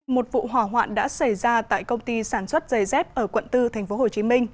một vụ hỏa hoạn đã xảy ra tại công ty sản xuất giày dép ở quận bốn tp hcm